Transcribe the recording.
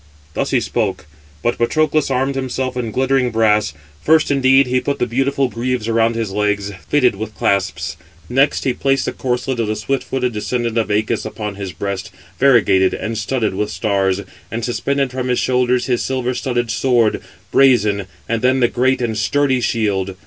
Thus he spoke; but Patroclus armed himself in glittering brass. First, indeed, he put the beautiful greaves around his legs, fitted with clasps; next he placed the corslet of the swift footed descendant of Æacus upon his breast, variegated, and studded with stars; and suspended from his shoulders his silver studded sword, brazen, and then the great and sturdy shield.